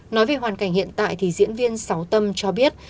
nói về hoàn cảnh hiện tại thì diễn viên sáu tâm cho biết